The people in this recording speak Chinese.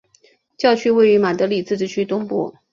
教区位于马德里自治区东部。